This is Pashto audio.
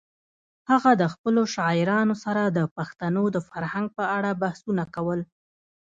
هغه د خپلو شاعرانو سره د پښتنو د فرهنګ په اړه بحثونه کول.